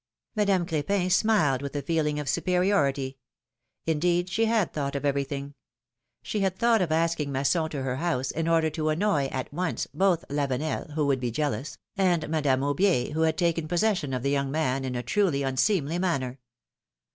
'^ Madame Crepin smiled with a feeling of superiority; indeed, she had thought of everything ! She had thought of asking Masson to her house in order to annoy, at once, both Lavenel, who would be jealous, and Madame Aubier, who had taken possession of the young man in a truly unseemly manner